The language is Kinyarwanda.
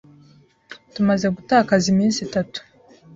Tumaze gutakaza iminsi itatu.